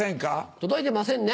届いてませんね。